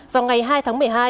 vào ngày hai tháng một mươi hai